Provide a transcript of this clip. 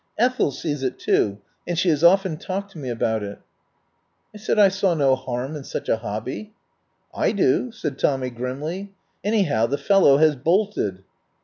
Ethel sees it, too, and she has often talked to me about it." I said I saw no harm in such a hobby. 19 THE POWER HOUSE "I do," said Tommy grimly. "Anyhow, the fellow has bolted."